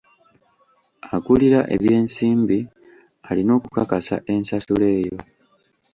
Akulira ebyensimbi alina okukakasa ensasula eyo.